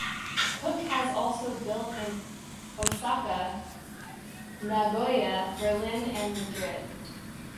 Cook has also built in Osaka, Nagoya, Berlin and Madrid.